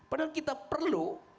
padahal kita perlu